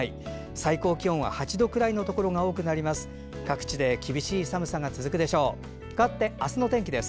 最高気温は８度くらいのところが多くなります。